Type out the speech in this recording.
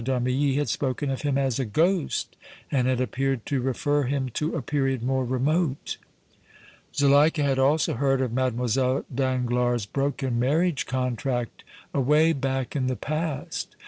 d' Armilly had spoken of him as a ghost and had appeared to refer him to a period more remote. Zuleika had also heard of Mlle. Danglars' broken marriage contract away back in the past.